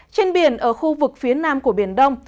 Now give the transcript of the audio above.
trên biển ở khu vực phía nam của biển đông